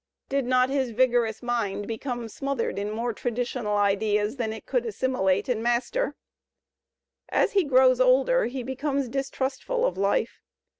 Did not his vigorous mind become smothered in more traditional ideas than it could assimilate and master? As he grows older he becomes distrustful of life.